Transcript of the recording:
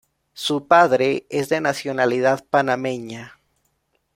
Su padre es de nacionalidad panameña.